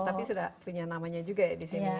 tapi sudah punya namanya juga ya di sini